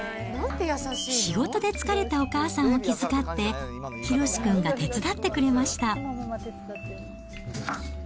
仕事で疲れたお母さんを気遣って、ヒロシ君が手伝ってくれました。